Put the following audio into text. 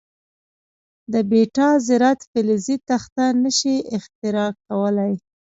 د بیټا ذرات فلزي تخته نه شي اختراق کولای.